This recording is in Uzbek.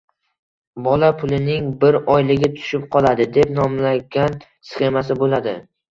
bola pulining «Bir oyligi tushib qoladi» deb nomlangan sxemasi bo‘ladi.